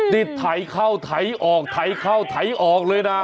นี่ไถเข้าไถออกไถเข้าไถออกเลยนะ